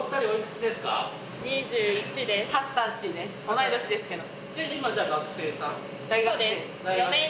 同い年ですけど。